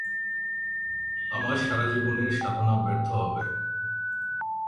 আমার সারা জীবনের সাধনা ব্যর্থ হবে।